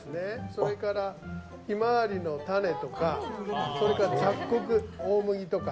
それから、ヒマワリの種とかそれから雑穀、大麦とか。